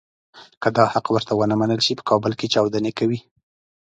که دا حق ورته ونه منل شي په کابل کې چاودنې کوي.